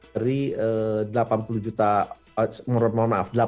berdasarkan data dari cdc itu